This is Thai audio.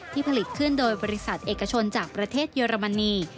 ผลิตขึ้นโดยบริษัทเอกชนจากประเทศเยอรมนี